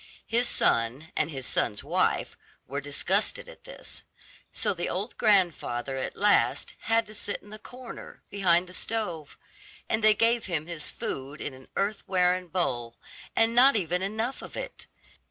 His son and his son's wife were disgusted at this, so the old grandfather at last had to sit in the corner behind the stove, and they gave him his food in an earthenware bowl, and not even enough of it.